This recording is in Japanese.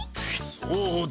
そうだ。